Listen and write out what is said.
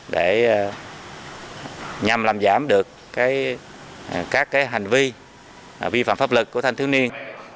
để nhằm làm giảm được các hành vi vi phạm pháp lực của thanh thiếu niên